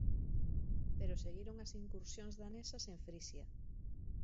Pero seguiron as incursións danesas en Frisia.